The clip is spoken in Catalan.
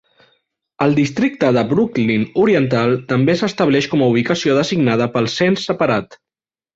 El districte de Brooklyn Oriental també s'estableix com a ubicació designada pel cens separat.